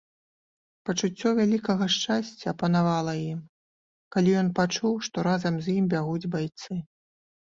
Пачуццё вялікага шчасця апанавала ім, калі ён пачуў, што разам з ім бягуць байцы.